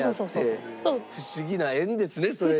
不思議な縁ですねそれね。